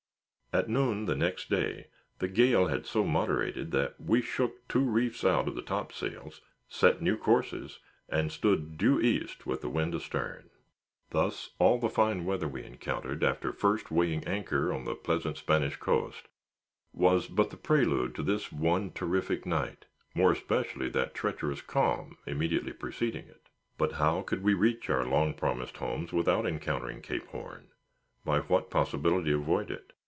At noon the next day, the gale so moderated that we shook two reefs out of the topsails, set new courses, and stood due east, with the wind astern. Thus all the fine weather we encountered, after first weighing anchor on the pleasant Spanish coast, was but the prelude to this one terrific night, more especially that treacherous calm immediately preceding it. But how could we reach our long promised homes without encountering Cape Horn? By what possibility avoid it?